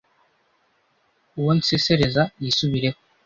Uwo nsesereza yisubireho;